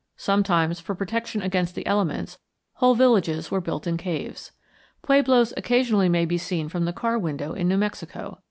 Sometimes, for protection against the elements, whole villages were built in caves. Pueblos occasionally may be seen from the car window in New Mexico.